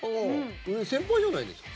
先輩じゃないですか。